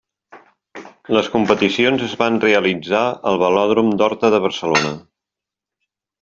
Les competicions es van realitzar al Velòdrom d'Horta de Barcelona.